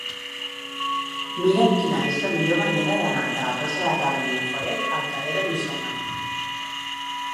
Mira'm quina és la millor manera d'anar de la plaça de Carmen Laforet al carrer de Llucena.